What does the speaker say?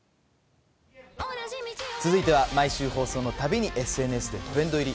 続いては毎週放送のたびにＳＮＳでトレンド入り。